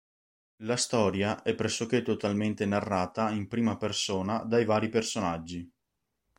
La storia è pressoché totalmente narrata in prima persona dai vari personaggi.